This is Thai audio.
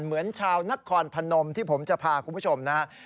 เหมือนชาวนครพนมที่ผมจะพาคุณผู้ชมนะครับ